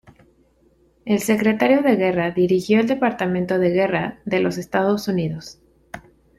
El Secretario de Guerra dirigió el Departamento de Guerra de los Estados Unidos.